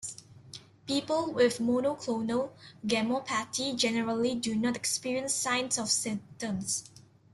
People with monoclonal gammopathy generally do not experience signs or symptoms.